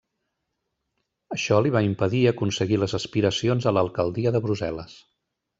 Això li va impedir aconseguir les aspiracions a l'alcaldia de Brussel·les.